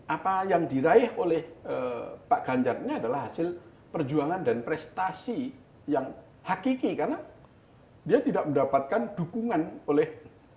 apa yang diraih oleh pak ganjar ini adalah hasil perjuangan dan prestasi yang hakiki karena dia tidak mendapatkan dukungan oleh